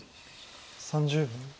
３０秒。